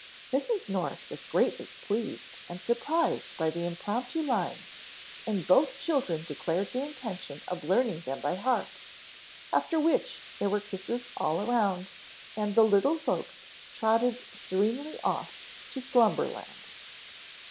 Mrs. North was greatly pleased and surprised by the impromptu lines and both children declared their intention of learning them by heart, after which there were kisses all round and the little folks trotted serenely off to slumberland.